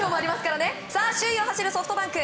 首位を走るソフトバンク。